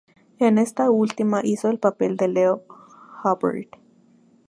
En esta última hizo el papel de Leo Hubbard.